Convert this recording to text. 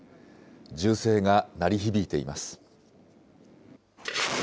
銃声が鳴り響いています。